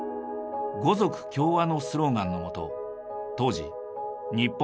「五族協和」のスローガンのもと当時日本